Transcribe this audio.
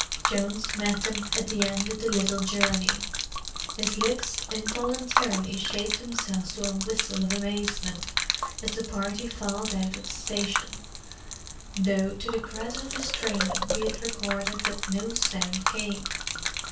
Jones met them at the end of the little journey. His lips involuntarily shaped themselves to a whistle of amazement as the party filed out of the station, though to the credit of his training be it recorded that no sound came.